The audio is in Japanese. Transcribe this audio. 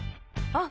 あっ！